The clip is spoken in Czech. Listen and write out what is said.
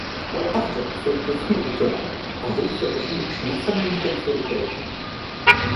Paže jsou těsně u těla a hůl se drží až na samém konci rukojeti.